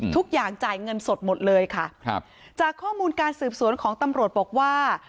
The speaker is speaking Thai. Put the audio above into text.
ทุกอย่างจ่ายเงินสดหมดเลยค่ะครับจากข้อมูลการสืบสวนของตำรวจบอกว่า